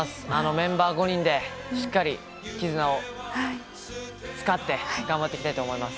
メンバー５人で、しっかり絆を使って頑張っていきたいと思います。